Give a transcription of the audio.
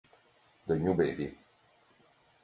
The New Baby